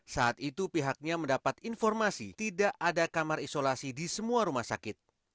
saat itu pihaknya mendapat informasi tidak ada kamar isolasi di semua rumah sakit